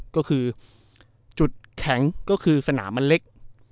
ก็คือจุดแข็งก็คือสนามมันเล็ก